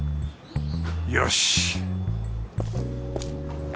よし。